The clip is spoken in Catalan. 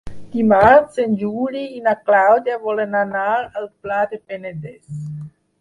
Dimarts en Juli i na Clàudia volen anar al Pla del Penedès.